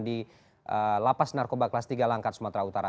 di lapas narkoba kelas tiga langkat sumatera utara